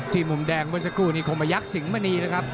ที่มุมแดงเมื่อสักครู่คมยักษ์สิงห์มะนีนะครับ